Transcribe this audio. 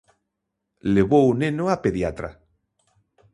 Levou o neno á pediatra.